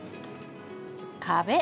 壁。